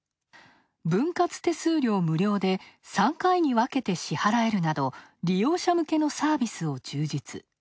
分割手数料無料で３回にわけて支払えるなど、利用者向けのサービスを充実。